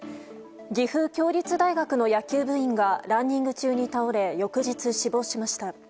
岐阜協立大学の野球部員がランニング中に倒れ翌日、死亡しました。